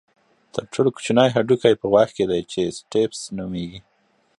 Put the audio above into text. تر ټولو کوچنی هډوکی په غوږ کې دی چې سټیپس نومېږي.